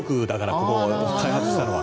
ここを開発したのは。